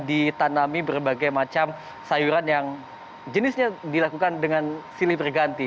ditanami berbagai macam sayuran yang jenisnya dilakukan dengan silih berganti